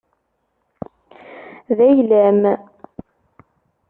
D ayla-m.